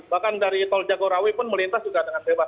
bahkan dari tol jagorawi pun melintas juga dengan bebas